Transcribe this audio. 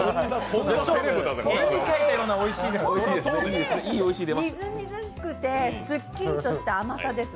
本当にみずみずしくて、すっきりとした甘さです。